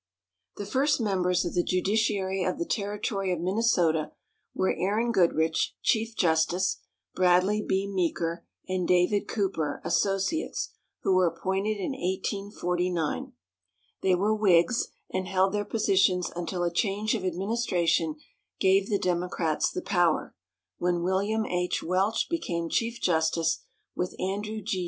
The first members of the judiciary of the Territory of Minnesota were Aaron Goodrich, chief justice; Bradley B. Meeker and David Cooper, associates, who were appointed in 1849. They were Whigs, and held their positions until a change of administration gave the Democrats the power, when William H. Welch became chief justice, with Andrew G.